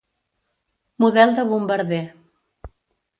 Model de bombarder.